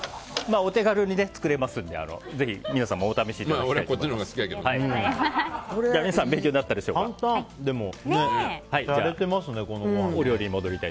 お手軽に作れますのでぜひ皆さんもお試しいただきたい。